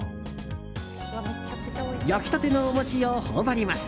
焼きたてのお餅を頬張ります。